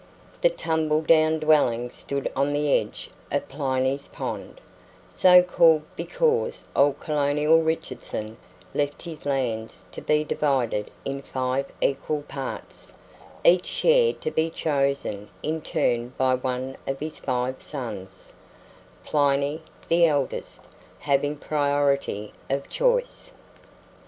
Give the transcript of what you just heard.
The tumble down dwelling stood on the edge of Pliney's Pond; so called because old Colonel Richardson left his lands to be divided in five equal parts, each share to be chosen in turn by one of his five sons, Pliny, the eldest, having priority of choice.